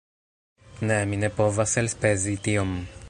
Ne, mi ne povas elspezi tiom.